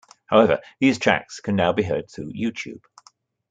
However, these tracks can now be heard through YouTube.